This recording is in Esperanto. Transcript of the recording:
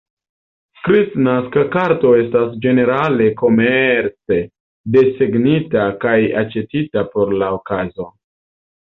Kristnaska karto estas ĝenerale komerce desegnita kaj aĉetita por la okazo.